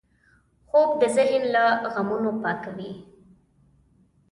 خوب د ذهن له غمونو پاکوي